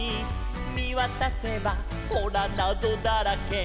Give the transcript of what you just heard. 「みわたせばほらなぞだらけ」